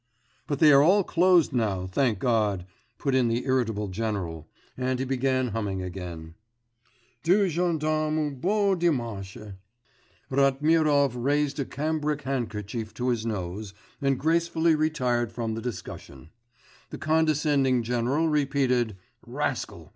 'But they are all closed now, thank God,' put in the irritable general, and he began humming again 'Deux gendarmes un beau dimanche.' Ratmirov raised a cambric handkerchief to his nose and gracefully retired from the discussion; the condescending general repeated 'Rascal!